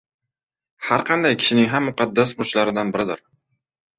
— har qanday kishining ham muqaddas burchlaridan biridir